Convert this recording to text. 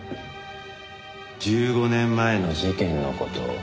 １５年前の事件の事